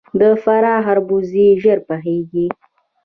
د فراه خربوزې ژر پخیږي.